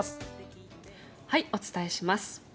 お伝えします。